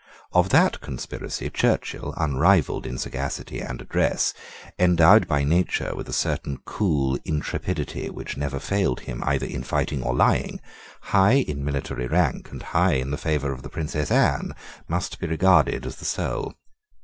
Of that conspiracy Churchill, unrivalled in sagacity and address, endowed by nature with a certain cool intrepidity which never failed him either in fighting or lying, high in military rank, and high in the favour of the Princess Anne, must be regarded as the soul.